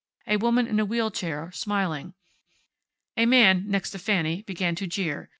A woman in a wheel chair, smiling. A man next to Fanny began to jeer.